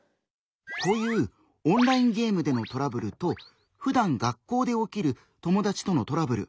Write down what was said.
こういうオンラインゲームでのトラブルとふだん学校で起きる友達とのトラブル。